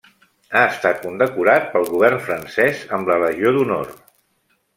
Ha estat condecorat pel govern francès amb la Legió d'Honor.